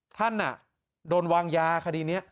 ท่านโดนวางยาคดีนี้